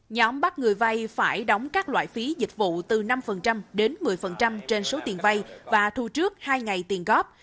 nhóm bắt người vay phải đóng các loại phí dịch vụ từ năm đến một mươi trên số tiền vay và thu trước hai ngày tiền góp